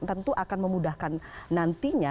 tentu akan memudahkan nantinya